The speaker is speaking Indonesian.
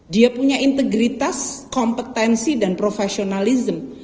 dia punya integritas kompetensi dan profesionalisme